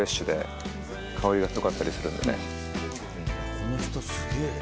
この人すげぇ。